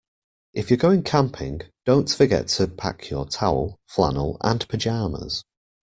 If you're going camping, don't forget to pack your towel, flannel, and pyjamas